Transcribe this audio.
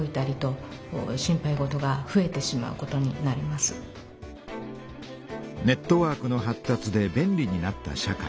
そのことでネットワークの発達で便利になった社会。